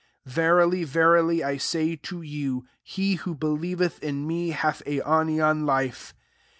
47 " Verily, verily, I say to you, He who believeth in me, hath aionian life.